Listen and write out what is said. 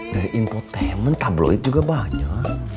dari importainment tabloid juga banyak